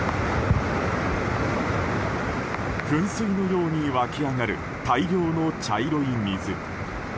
噴水のように湧き上がる大量の茶色い水。